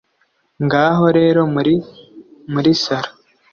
ngaho rero muri muri salo